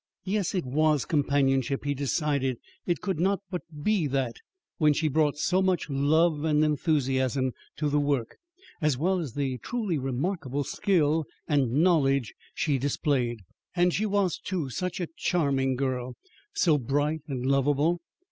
Yes, it was companionship, he decided. It could not but be that when she brought so much love and enthusiasm to the work, as well as the truly remarkable skill and knowledge she displayed. And she was, too, such a charming girl, so bright and lovable.